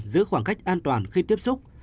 giữ khoảng cách an toàn khi tiếp xúc